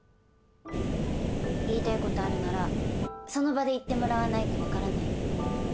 言いたいことあるならその場で言ってもらわないと分からないよ。